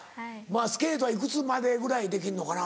スケートはいくつまでぐらいできんのかな？